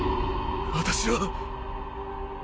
私は。